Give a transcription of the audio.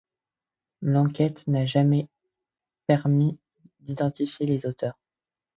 L’enquête n’a jamais permis d’identifier les auteurs.